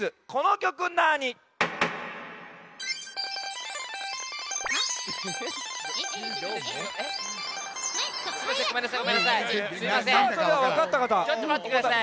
ちょっとまってください。